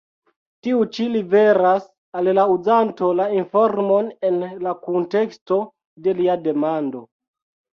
Tiu ĉi liveras al la uzanto la informon en la kunteksto de lia demando.